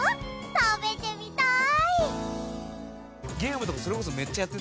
食べてみたい！